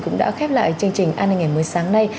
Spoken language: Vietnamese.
cũng đã khép lại chương trình an nghề mới sáng nay